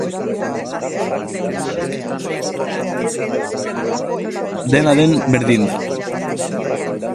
Dena den, berdin da.